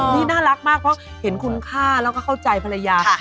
นี่น่ารักมากเพราะเห็นคุณค่าแล้วก็เข้าใจภรรยา